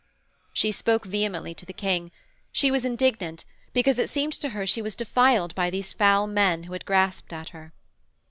She spoke vehemently to the King; she was indignant, because it seemed to her she was defiled by these foul men who had grasped at her.